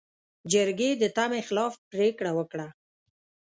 جرګې د تمې خلاف پرېکړه وکړه.